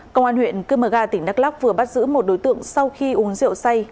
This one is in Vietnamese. công an huyện cư mờ ga tỉnh đắk lắc vừa bắt giữ một đối tượng sau khi uống rượu say